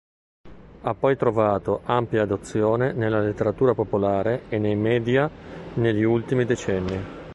Ha poi trovato ampia adozione nella letteratura popolare e nei media negli ultimi decenni.